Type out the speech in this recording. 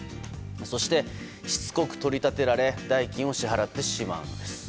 そして、しつこく取り立てられ代金を支払ってしまうんです。